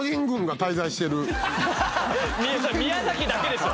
宮崎だけでしょ！